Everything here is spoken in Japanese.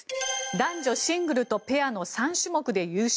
男女シングルとペアの３種目で優勝。